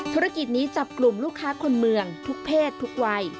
ธุรกิจนี้จับกลุ่มลูกค้าคนเมืองทุกเพศทุกวัย